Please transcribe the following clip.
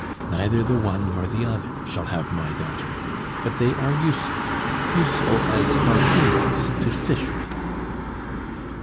neither the one nor the other shall have my daughter; but they are useful useful as harpoons to fish with."